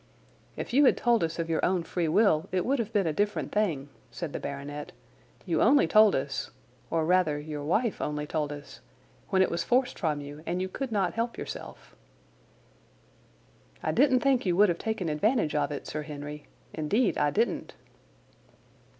"If you had told us of your own free will it would have been a different thing," said the baronet, "you only told us, or rather your wife only told us, when it was forced from you and you could not help yourself." "I didn't think you would have taken advantage of it, Sir Henry—indeed I didn't."